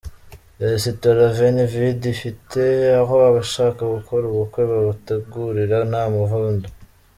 Resitora Veni vidi ifite aho abashaka gukora ubukwe babutegurira nta muvundo.